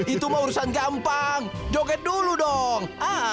itu mau urusan gampang joget dulu dong